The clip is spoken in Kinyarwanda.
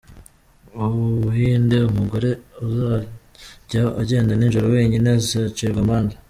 U Buhinde Umugore uzajya agenda nijoro wenyine azacibwa amande